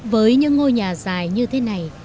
với những ngôi nhà dài như thế này